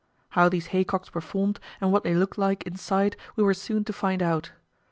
How these haycocks were formed and what they looked like inside we were soon to find out.